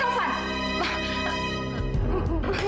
kenapa kamu menurut kak tovan